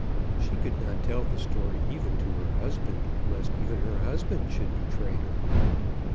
She could not tell the story even to her husband, lest even her husband should betray her.